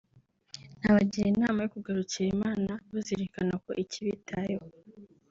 nabagira inama yo kugarukira Imana bazirikana ko ikibitayeho